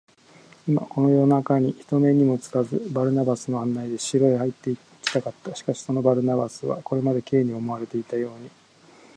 今、この夜なかに、人目にもつかず、バルナバスの案内で城へ入っていきたかった。しかし、そのバルナバスは、これまで Ｋ に思われていたように、